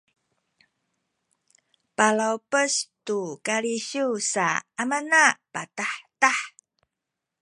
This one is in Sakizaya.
palawpes tu kalisiw sa amana patahtah